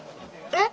え？